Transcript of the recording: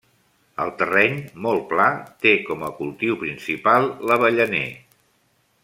El terreny, molt pla, té com a cultiu principal l'avellaner.